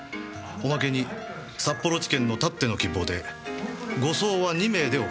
おまけに札幌地検のたっての希望で護送は２名で行う。